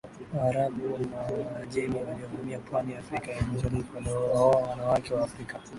Waarabu na Waajemi waliohamia pwani ya Afrika ya Mashariki waliwaoa wanawake wa Afrika